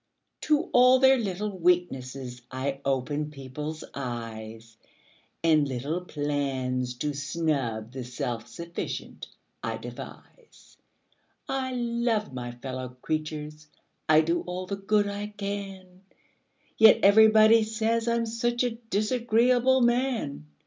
To all their little weaknesses I open people's eyes And little plans to snub the self sufficient I devise; I love my fellow creatures I do all the good I can Yet everybody say I'm such a disagreeable man!